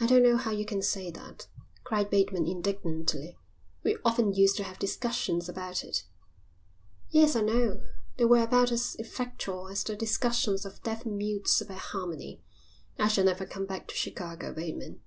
"I don't know how you can say that," cried Bateman indignantly. "We often used to have discussions about it." "Yes, I know. They were about as effectual as the discussions of deaf mutes about harmony. I shall never come back to Chicago, Bateman."